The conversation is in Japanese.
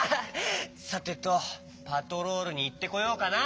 さてとパトロールにいってこようかな。